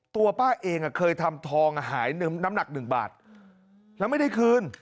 ตัวป้าเองเคยทำทองหายน้ำหนัก๑บาทแล้วไม่ได้คืน